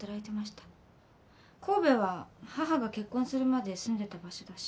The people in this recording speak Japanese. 神戸は母が結婚するまで住んでた場所だし。